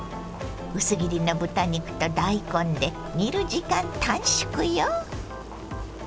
薄切りの豚肉と大根で煮る時間短縮よ。